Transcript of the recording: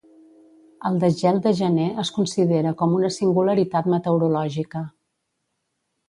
El desgel de gener es considera com una singularitat meteorològica.